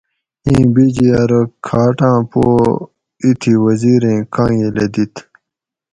اِیں بیجی ارو کھاٹاں پو ایتھی وزیریں کانگیلہ دیت